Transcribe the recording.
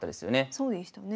そうでしたね。